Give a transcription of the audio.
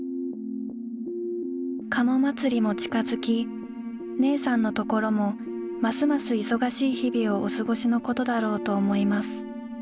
「加茂祭りも近づき姉さんの所もますます忙しい日々をお過しのことだろうと思います。